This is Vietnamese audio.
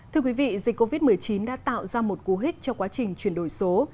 thưa quý vị dịch covid một mươi chín đã tạo ra một cú hích cho quá trình chuyển đổi số